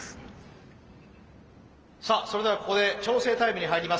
さあそれではここで調整タイムに入ります。